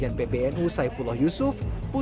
selama bisa mendongkrak suara di pilpres mendatang